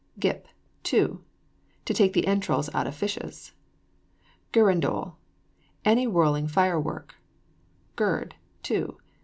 GIP, TO. To take the entrails out of fishes. GIRANDOLE. Any whirling fire work. GIRD, TO.